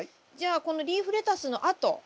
じゃあこのリーフレタスのあと。